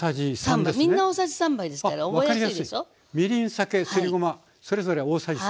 酒すりごまそれぞれ大さじ３。